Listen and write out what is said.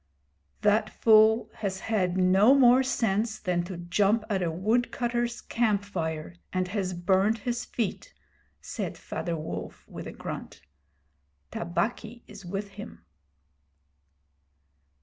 'The fool has had no more sense than to jump at a woodcutters' camp fire, and has burned his feet,' said Father Wolf, with a grunt. 'Tabaqui is with him.'